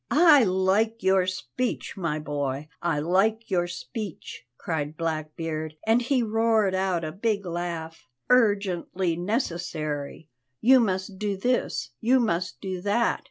"I like your speech, my boy, I like your speech!" cried Blackbeard, and he roared out a big laugh. "'Urgently necessary' you must do this, you must do that.